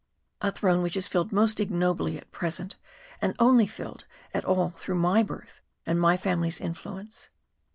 A throne which is filled most ignobly at present, and only filled at all through my birth and my family's influence.